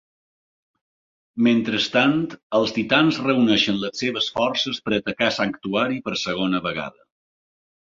Mentrestant, els titans reuneixen les seves forces per atacar Sanctuary per segona vegada.